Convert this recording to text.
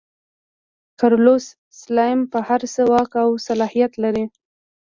کارلوس سلایم د هر څه واک او صلاحیت لري.